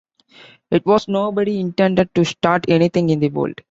It was nobody intended to start anything in the world.